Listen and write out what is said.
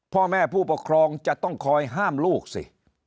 พ่อแม่ผู้ปกครองจะต้องคอยห้ามลูกสิ